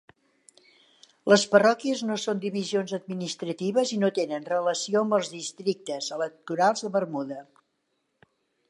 Les parròquies no són divisions administratives i no tenen relació amb els districtes electorals de Bermuda.